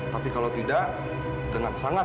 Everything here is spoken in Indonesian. tapi kalau tidak dengan sangat